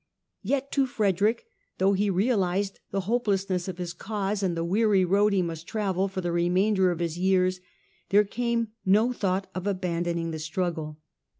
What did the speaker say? Yet to Frederick, though he realised the hopelessness of his cause and the weary road he must travel for the remainder of his years, there came no thought of abandon ing the struggle.